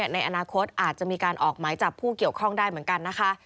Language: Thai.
ในอนาคตอาจจะมีการออกหมายจับผู้เกี่ยวข้องได้เหมือนกันนะคะ